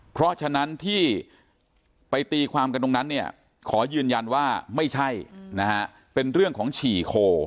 เพราะฉะนั้นที่ไปตีความกันตรงนั้นเนี่ยขอยืนยันว่าไม่ใช่นะฮะเป็นเรื่องของฉี่โค